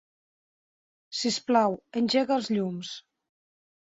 Sisplau, engega els llums.